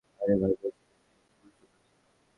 আরে ভাই বলছি তোকে, ও খুবই সুন্দর ছিল।